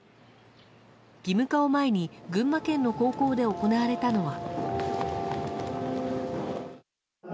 義務化を前に群馬県の高校で行われたのは。